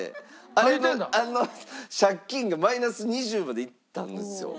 あの借金がマイナス２０までいったんですよ。